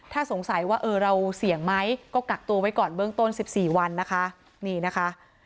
ถ้าสงสัยว่าเออเราเสี่ยงไหมก็กักตัวไว้ก่อนเบื้องต้น๑๔วันนะคะนี่นะคะ